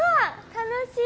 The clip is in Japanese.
楽しい！